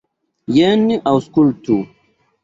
Jen, aŭskultu.